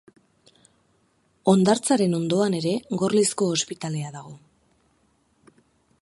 Hondartzaren ondoan ere Gorlizko Ospitalea dago.